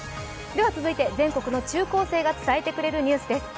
では続いて全国の中高生が伝えてくれるニュースです。